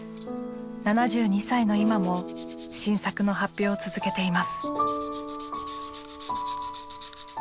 ７２歳の今も新作の発表を続けています。